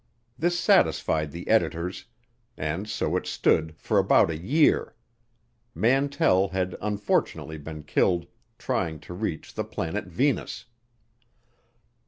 This satisfied the editors, and so it stood for about a year; Mantell had unfortunately been killed trying to reach the planet Venus.